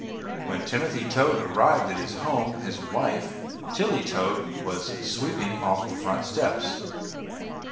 When Timothy Toad arrived at his home his wife, Tilly Toad, was sweeping off the front steps.